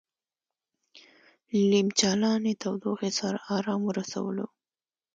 له نیم چالانې تودوخې سره ارام ورسولو.